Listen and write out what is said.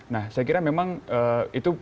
nah saya kira memang itu